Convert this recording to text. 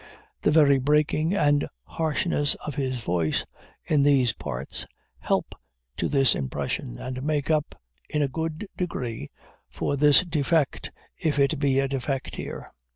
The very breaking and harshness of his voice, in these parts, help to this impression, and make up, in a good degree, for this defect, if it be a defect here.